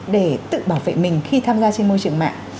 để tự bảo vệ mình khi tham gia trên môi trường mạng